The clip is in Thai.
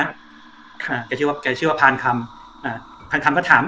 แกชื่อว่าแกชื่อว่าพานคำอ่าพานคำก็ถาม